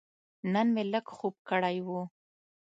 نن مې لږ خوب کړی و.